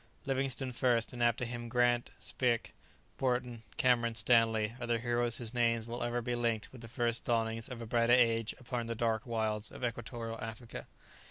Livingstone first, and after him, Grant, Speke, Burton, Cameron, Stanley, are the heroes whose names will ever be linked with the first dawnings of a brighter age upon the dark wilds of Equatorial Africa.